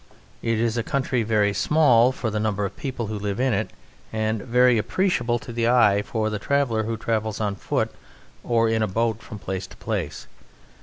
It is a country very small for the number of people who live in it, and very appreciable to the eye for the traveller who travels on foot or in a boat from place to place.